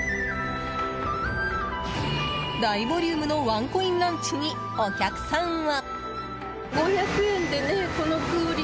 大ボリュームのワンコインランチにお客さんは。